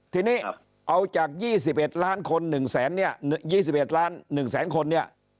ทีนี้เอาจากยี่สิบเอ็ดล้านคนหนึ่งแสนเนี่ยยี่สิบเอ็ดล้านหนึ่งแสนคนเนี่ย